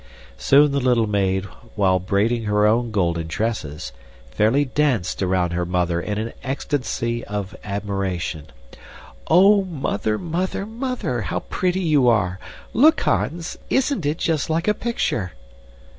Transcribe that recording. Soon the little maid, while braiding her own golden tresses, fairly danced around her mother in an ecstasy of admiration. "Oh, Mother, Mother, Mother, how pretty you are! Look, Hans! Isn't it just like a picture?"